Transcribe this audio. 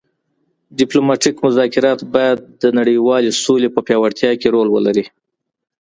ډیپلوماتیک مذاکرات باید د نړیوالې سولې په پیاوړتیا کې رول ولري